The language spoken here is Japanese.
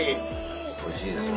おいしいですよね。